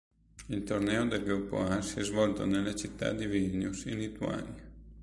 Il torneo del Gruppo A si è svolto nella città di Vilnius, in Lituania.